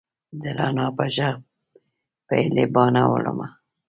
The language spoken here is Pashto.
د رڼا په ږغ پیلې باڼه وړمه